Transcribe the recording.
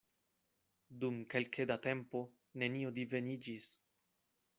Dum kelke da tempo nenio diveniĝis.